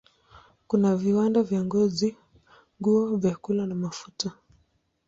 Kuna viwanda vya ngozi, nguo, vyakula na mafuta.